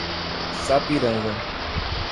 Sapiranga